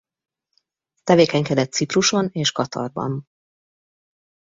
Tevékenykedett Cipruson és Katarban.